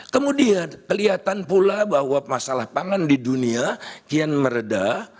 kemudian kelihatan pula bahwa masalah pangan di dunia kian meredah